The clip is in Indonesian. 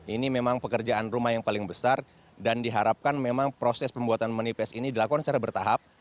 ini memang pekerjaan rumah yang paling besar dan diharapkan memang proses pembuatan manipes ini dilakukan secara bertahap